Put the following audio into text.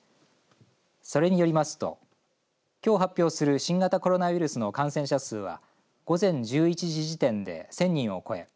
それによりますときょう発表する新型コロナウイルスの感染者数は午前１１時時点で１０００人を超え